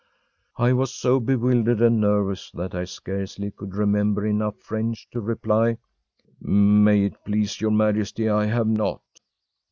‚ÄĚ I was so bewildered and nervous that I scarcely could remember enough French to reply: “May it please your Majesty, I have not.